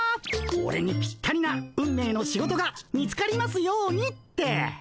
オレにぴったりな運命の仕事が見つかりますようにって。